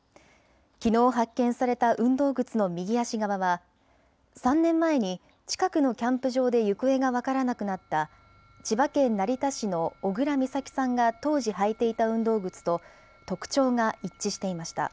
きのう発見された運動靴の右足側は３年前に近くのキャンプ場で行方が分からなくなった千葉県成田市の小倉美咲さんが当時履いていた運動靴と特徴が一致していました。